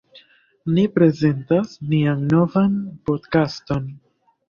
Ni prezentas nian novan podkaston.